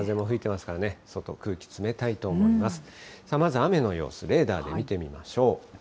まず雨の様子、レーダーで見てみましょう。